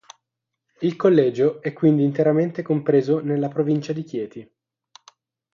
Il collegio è quindi interamente compreso nella provincia di Chieti.